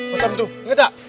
pekam itu inget gak